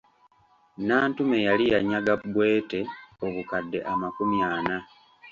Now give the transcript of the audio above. Nantume yali yanyaga Bwete obukadde amakumi ana.